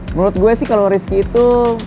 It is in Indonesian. menurut gue sih kalau rizky itu